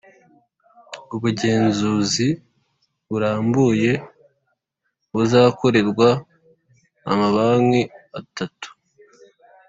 ubugenzuzi burambuye buzakorerwa amabanki atatu